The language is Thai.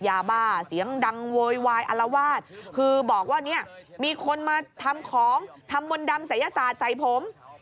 ยาบ้าเสียงดังโวยวายอลวาดคือบอกว่าเนี่ยมีคนมาทำของทำมนต์ดำศัยศาสตร์ใส่ผม